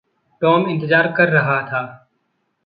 Tom इंतज़ार कर रहा था।